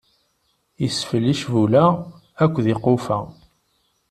Isfel icbula akked iqweffa.